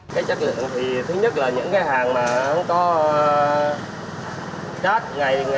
ngoài cái sản phẩm thì cũng phải đi với cái tâm